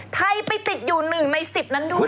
ไทยไปติดอยู่๑ใน๑๐นั้นด้วย